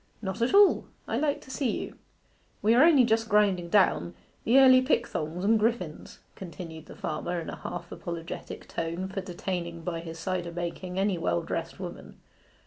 'Not at all. I like to see you.' 'We are only just grinding down the early pickthongs and griffins,' continued the farmer, in a half apologetic tone for detaining by his cider making any well dressed woman.